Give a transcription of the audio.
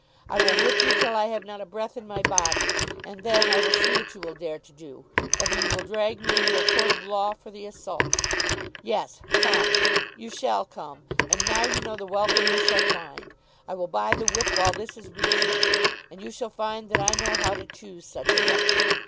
I will whip you till I have not a breath in my body. And then I will see what you will dare to do; whether you will drag me into a court of law for the assault. Yes; come. You shall come. And now you know the welcome you shall find. I will buy the whip while this is reaching you, and you shall find that I know how to choose such a weapon.